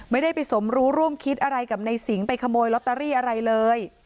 ไม่ได้ไปสมรู้ร่วมคิดอะไรกับในสิงห์ไปขโมยลอตเตอรี่อะไรเลย